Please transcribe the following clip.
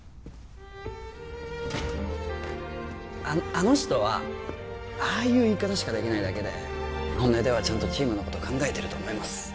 ああの人はああいう言い方しかできないだけで本音ではちゃんとチームのこと考えてると思います